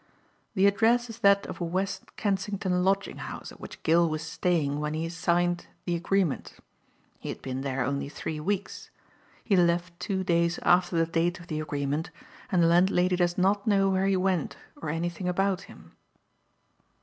"The address is that of a West Kensington lodging house at which Gill was staying when he signed the agreement. He had been there only three weeks, he left two days after the date of the agreement and the landlady does not know where he went or anything about him."